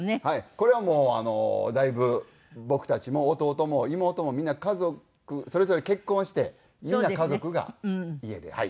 これはもうだいぶ僕たちも弟も妹もみんな家族それぞれ結婚してみんな家族が家ではい。